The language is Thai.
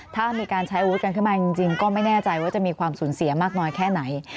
ถ้ามีการใช้อาวุธกันขึ้นมาจริงก็ไม่แน่ใจว่าจะมีความสูญเสียมากน้อยแค่ไหน